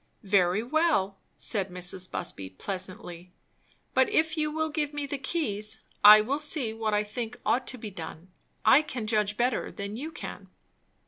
"Very well," said Mrs. Busby pleasantly; "but if you will give me the keys, I will see what I think ought to be done. I can judge better than you can."